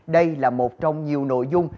đây là một trong nhiều nội dung